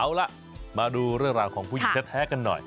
เอาล่ะมาดูเรื่องราวของผู้หญิงแท้กันหน่อย